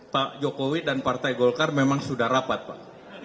pak jokowi dan partai golkar memang sudah rapat pak